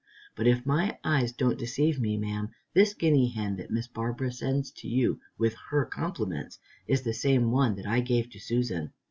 But if my eyes don't deceive me, ma'am, this guinea hen that Miss Barbara sends to you with her compliments is the same that I gave to Susan.